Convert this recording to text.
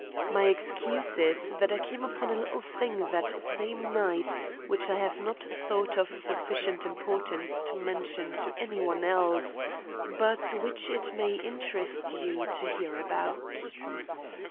"My excuse is that I came upon a little thing that same night which I have not thought of sufficient importance to mention to any one else, but which it may interest you to hear about."